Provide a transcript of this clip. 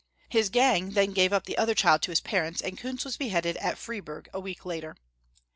His gang then gave up the other child to his parents, and Kunz was beheaded at Freiburg a week later.